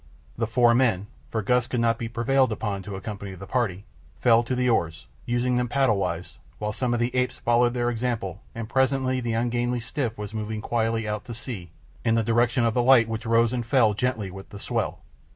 The four men, for Gust could not be prevailed upon to accompany the party, fell to the oars, using them paddle wise, while some of the apes followed their example, and presently the ungainly skiff was moving quietly out to sea in the direction of the light which rose and fell gently with the swell.